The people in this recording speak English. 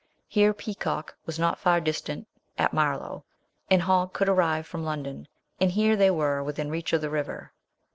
Here Peacock was not far distant at Marlow, and Hogg could arrive from London, and here they were within reach of the river.